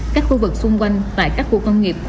các khu vực xung quanh tại các khu công nghiệp